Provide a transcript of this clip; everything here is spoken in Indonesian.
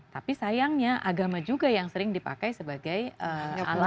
tapi sayangnya agama juga yang sering dipakai sebagai alam